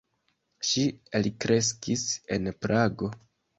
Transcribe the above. Ŝi elkreskis en Prago.